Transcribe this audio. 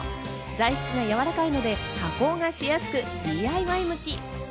材質がやわらかいので加工がしやすくＤＩＹ向き。